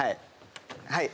はい。